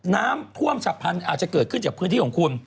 น้ำท่วมฉับพันธุ์อาจจะเกิดขึ้นจากพื้นที่ของคุณ